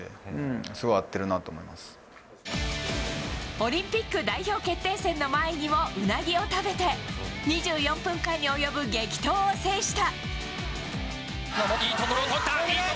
オリンピック代表決定戦の前にもウナギを食べて２４分間に及ぶ激闘を制した。